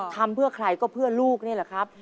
ทำเพื่อใครก็เพื่อลูกนี่แหละครับ